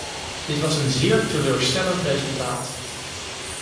Dit was een zeer teleurstellend resultaat.